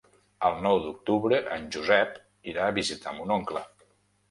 El nou d'octubre en Josep irà a visitar mon oncle.